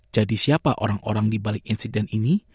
jadi siapa orang orang di balik insiden ini